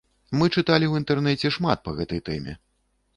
Мы чыталі ў інтэрнэце шмат па гэтай тэме.